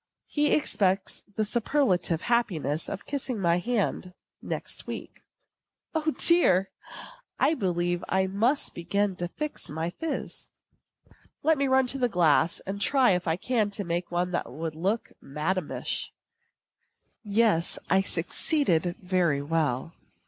He expects the superlative happiness of kissing my hand next week. O, dear! I believe I must begin to fix my phiz. Let me run to the glass, and try if I can make up one that will look madamish. Yes, I succeeded very well.